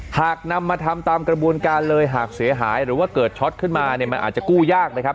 หากนำมาทำตามกระบวนการเลยหากเสียหายหรือว่าเกิดช็อตขึ้นมาเนี่ยมันอาจจะกู้ยากนะครับ